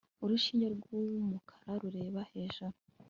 urushinge rw'umukara rureba hejuru